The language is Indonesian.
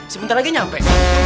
sebentar lagi nyampe